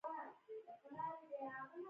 بېخبره مورخ په متن باندې استناد.